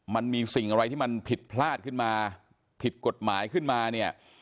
มันมีสิ่งอะไรที่มันผิดพลาดขึ้นมาผิดกฎหมายขึ้นมาเนี่ย